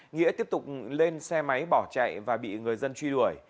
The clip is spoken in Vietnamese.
nghĩa tiếp tục lên xe máy bỏ chạy và bị người dân truy đuổi